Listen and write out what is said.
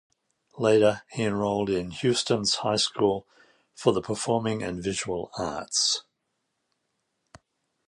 Later, he enrolled in Houston's High School for the Performing and Visual Arts.